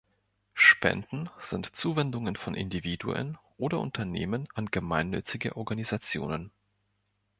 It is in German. Spenden sind Zuwendungen von Individuen oder Unternehmen an gemeinnützige Organisationen.